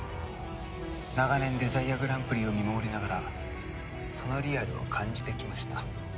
長年デザイアグランプリを見守りながらそのリアルを感じてきました。